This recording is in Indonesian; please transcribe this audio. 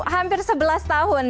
hampir sebelas tahun